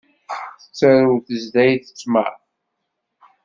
Tettarew tezdayt ttmeṛ.